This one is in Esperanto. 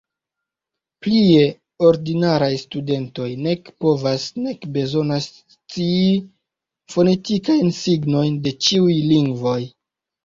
Plie, ordinaraj studentoj nek povas, nek bezonas scii la fonetikajn signojn de ĉiuj lingvoj.